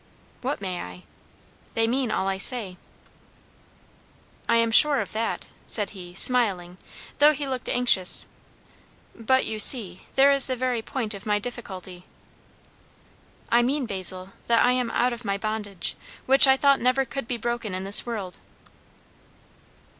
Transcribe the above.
"What may I?" "They mean all I say." "I am sure of that," said he, smiling, though he looked anxious; "but, you see, there is the very point of my difficulty." "I mean, Basil, that I am out of my bondage, which I thought never could be broken in this world."